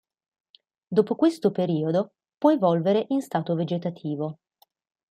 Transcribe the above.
Dopo questo periodo, può evolvere in stato vegetativo.